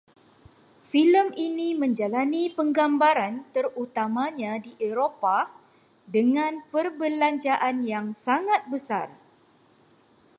Filem ini menjalani penggambaran terutamanya di Eropah, dengan perbelanjaan yang sangat besar